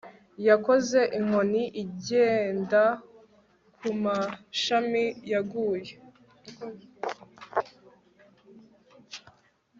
Yakoze inkoni igenda kumashami yaguye